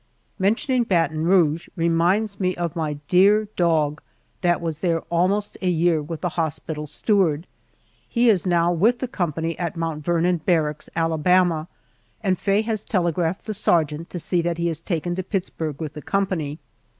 Mentioning Baton Rouge reminds me of my dear dog that was there almost a year with the hospital steward. He is now with the company at Mount Ver non Barracks, Alabama, and Faye has telegraphed the sergeant to see that he is taken to Pittsburg with the company.